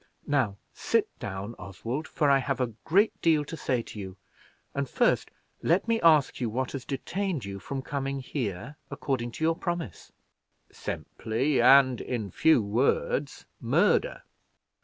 "Now sit down, Oswald, for I have a great deal to say to you; and first, let me ask you what has detained you from coming here according to your promise?" "Simply, and in few words murder."